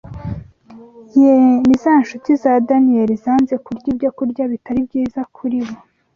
Yee ni za ncuti za Daniyeli zanze kurya ibyokurya bitari byiza kuri bo